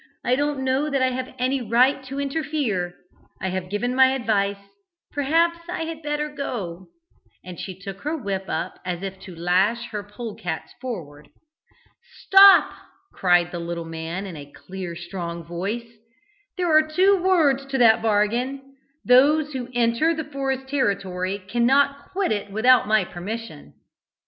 I don't know that I have any right to interfere I have given my advice perhaps I had better go " and she took her whip up as if to lash her polecats forward. "Stop!" cried the little man in a clear, strong voice. "There are two words to that bargain: those who enter the forest territory cannot quit it without my permission!"